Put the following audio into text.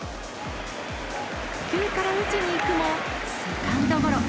初球から打ちにいくもセカンドゴロ。